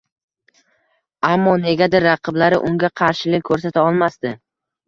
Ammo negadir raqiblari unga qarshilik koʻrsata olmasdi